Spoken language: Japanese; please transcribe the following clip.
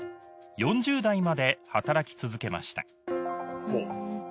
４０代まで働き続けました